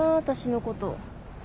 私のこと。